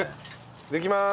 できます。